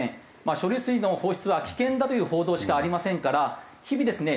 処理水の放出は危険だという報道しかありませんから日々ですね